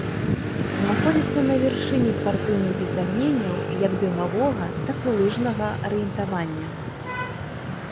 Знаходзіцца на вершыні спартыўных дасягненняў як бегавога, так і лыжнага арыентавання.